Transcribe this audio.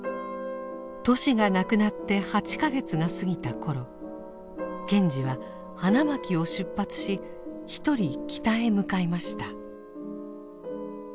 トシが亡くなって８か月が過ぎた頃賢治は花巻を出発し一人北へ向かいました。